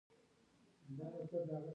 خلک د بس تمځي کې په منظم ډول ولاړ وو.